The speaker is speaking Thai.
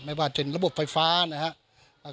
ไม่ว่าจะระบบไฟฟ้านะครับ